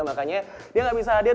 makanya dia nggak bisa hadir